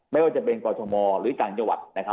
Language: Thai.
ไม่ว่าจะเป็นกรทมหรือต่างจังหวัดนะครับ